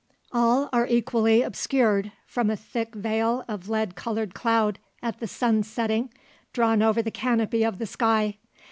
All are equally obscured from a thick veil of lead coloured cloud, at the sun's setting, drawn over the canopy of the sky.